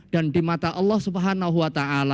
dan di mata allah swt